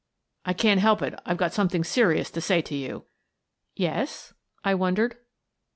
"I can't help it, I've got something serious to say to you." "Yes?" I wondered.